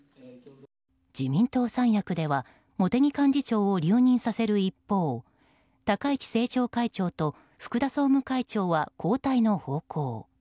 自民党三役では茂木幹事長を留任させる一方高市政調会長と福田総務会長は交代の方向。